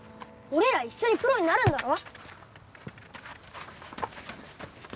俺ら一緒にプロになるんだろ？